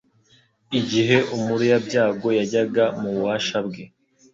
igihe umuruyabyago yajyaga mu bubasha bwe,